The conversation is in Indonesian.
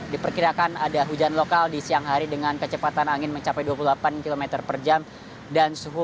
diperkirakan ada hujan lokal di siang hari dengan kecepatan angin mencapai dua puluh delapan km per jam dan suhu